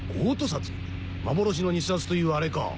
幻の偽札というあれか。